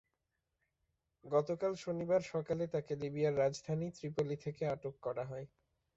গতকাল শনিবার সকালে তাঁকে লিবিয়ার রাজধানী ত্রিপোলি থেকে আটক করা হয়।